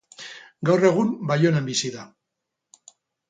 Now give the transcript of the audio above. Gaur egun Baionan bizi da.